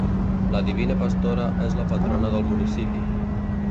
La Divina Pastora és la patrona del municipi.